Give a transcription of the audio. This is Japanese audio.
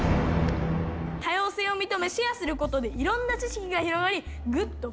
多様性を認めシェアすることでいろんな知識が広がりぐっと深まる。